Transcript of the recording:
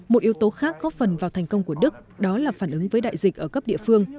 một yếu tố khác góp phần vào thành công của đức đó là phản ứng với đại dịch ở cấp địa phương